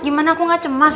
gimana aku gak cemas